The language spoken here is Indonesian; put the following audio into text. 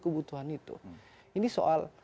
kebutuhan itu ini soal